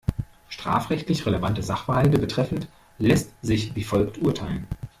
Strafrechtlich relevante Sachverhalte betreffend, lässt sich wie folgt urteilen.